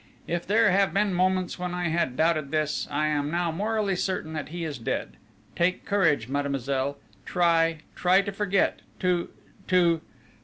If there have been moments when I have doubted this, I am now morally certain that he is dead. Take courage, mademoiselle! Try, try to forget to to